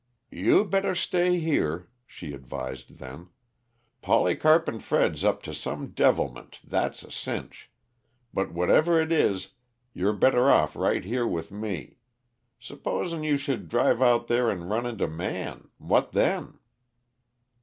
"You better stay here," she advised then. "Polycarp an' Fred's up to some devilment, that's a cinch; but whatever it is, you're better off right here with me. S'posen you should drive out there and run into Man what then?"